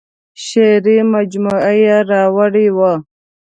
شعري مجموعه یې راوړې وه.